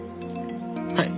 はい。